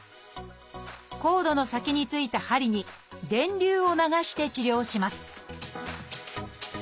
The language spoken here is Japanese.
コードの先に付いた針に電流を流して治療します